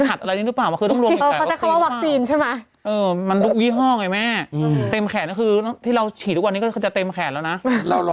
ผัดอะไรอย่างนี้ด้วยป่าวมันคือต้องลวนแต่วัคซีน